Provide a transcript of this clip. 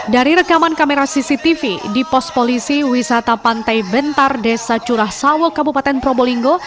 dari rekaman kamera cctv di pos polisi wisata pantai bentar desa curah sawo kabupaten probolinggo